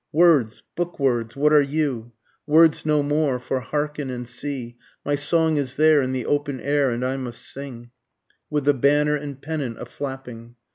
Words! bookwords! what are you? Words no more, for hearken and see, My song is there in the open air, and I must sing, With the banner and pennant a flapping.